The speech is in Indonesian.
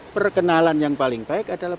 perkenalan yang paling baik adalah